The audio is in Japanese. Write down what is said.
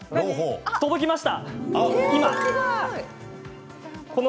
届きました。